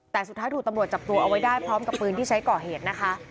แต่สุดท้ายถูกตำรวจจับตัวเอาไว้ได้พร้อมกับปืนที่ใช้ก่อเหตุนะคะ